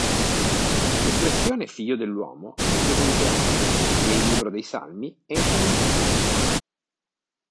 L'espressione figlio dell'uomo è presente anche nei Libro dei Salmi e in Ezechiele.